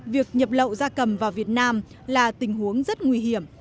việc nhập lậu da cầm vào việt nam là tình huống rất nguy hiểm